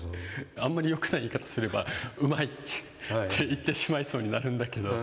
あんまりよくない言い方すればうまいって言ってしまいそうになるんだけど。